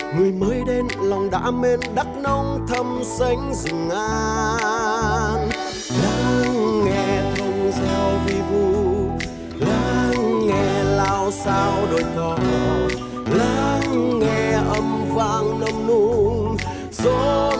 người mới về về chạy lên tình yêu của tôi